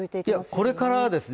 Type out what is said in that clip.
これからですね